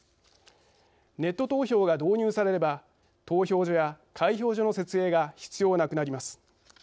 ネット投票が導入されれば投票所や開票所の設営が必要なくなります。